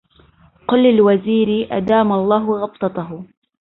قل للوزير أدام الله غبطته